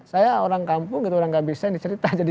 saya orang kampung gitu orang gak bisa dicerita